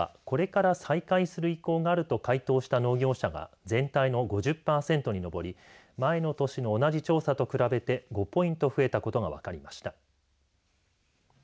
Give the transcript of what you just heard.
これから再開する意向があると回答した農業者が全体の５０パーセントに上り前の年の同じ調査と比べて５ポイント増えたことが分かりました。